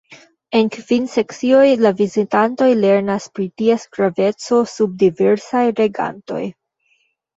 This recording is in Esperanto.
En kvin sekcioj la vizitantoj lernas pri ties graveco sub diversaj regantoj.